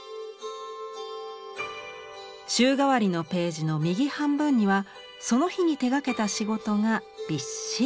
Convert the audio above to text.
週替わりのページの右半分にはその日に手がけた仕事がびっしり。